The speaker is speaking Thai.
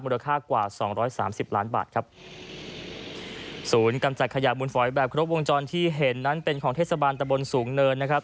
ราคากว่าสองร้อยสามสิบล้านบาทครับศูนย์กำจัดขยะมูลฝอยแบบครบวงจรที่เห็นนั้นเป็นของเทศบาลตะบนสูงเนินนะครับ